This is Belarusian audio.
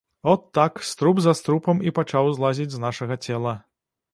От так струп за струпам і пачаў злазіць з нашага цела.